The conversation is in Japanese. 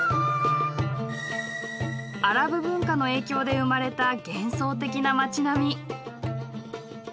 アラブ文化の影響で生まれた幻想的な町並み。